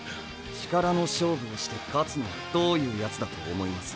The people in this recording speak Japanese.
力の勝負をして勝つのはどういうヤツだと思います？